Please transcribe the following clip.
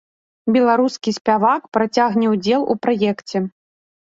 Беларускі спявак працягне ўдзел у праекце.